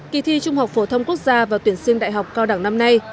kỳ thi trung học phổ thông quốc gia và tuyển sinh đại học cao đẳng năm nay